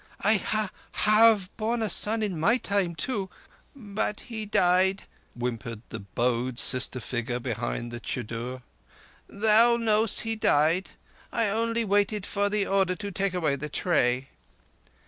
"I ha—have borne a son in my time too, but he died," whimpered the bowed sister figure behind the chudder. "Thou knowest he died! I only waited for the order to take away the tray."